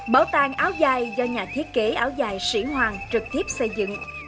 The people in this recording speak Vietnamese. bảo tàng áo dài do nhà thiết kế áo dài sĩ hoàng trực tiếp xây dựng